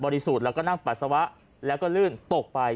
บริสุทธิ์แล้วก็นั่งปัสสาวะแล้วก็เรื่องโต๊ะไป